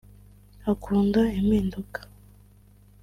Akunda impinduka